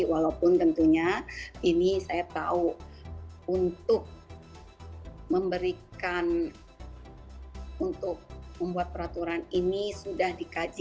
walaupun tentunya ini saya tahu untuk memberikan untuk membuat peraturan ini sudah dikaji